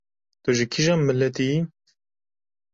Tu ji kîjan miletî yî?